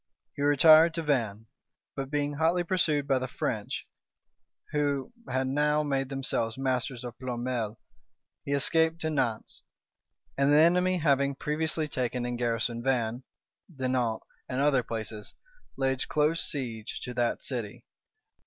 He retired to Vannes; but being hotly pursued by the French, who had now made themselves masters of Ploermel, he escaped to Nantz; and the enemy, having previously taken and garrisoned Vannes, Dinant, and other places, laid close siege to that city.